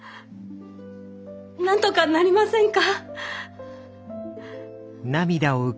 なんとかなりませんか？